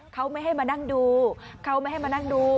เขาไม่ให้มานั่งดูเขาไม่ให้มานั่งดู